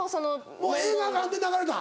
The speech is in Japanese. もう映画館で流れた？